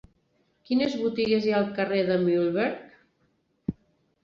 Quines botigues hi ha al carrer de Mühlberg?